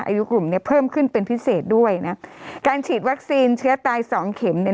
อายุกลุ่มเนี้ยเพิ่มขึ้นเป็นพิเศษด้วยนะการฉีดวัคซีนเชื้อตายสองเข็มเนี่ย